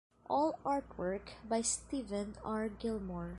All artwork by Steven R. Gilmore.